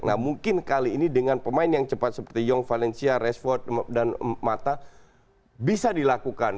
nah mungkin kali ini dengan pemain yang cepat seperti young valencia raceford dan mata bisa dilakukan